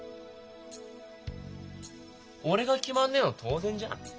俺が決まんねえの当然じゃん。